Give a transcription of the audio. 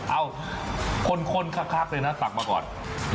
เอาคนคักเลยนะตักมาก่อน